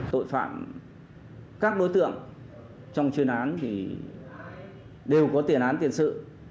tội phạm các đối tượng trong chuyên án thì đều có tiền án tiền sự